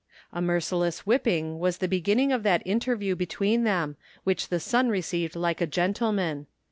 A merciless whipping was the be ginning of that interview between them, which the son received like a gentleman.